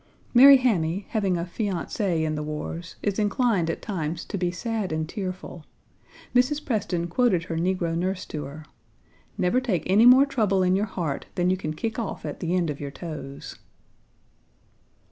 Mary Hammy, having a fiancé in the wars, is inclined at times to be sad and tearful. Mrs. Preston quoted her negro nurse to her: "Never take any more trouble in your heart than you can kick off at the end of your toes."